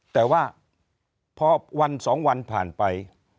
แต่ว่าพอวัน๒วันผ่านไป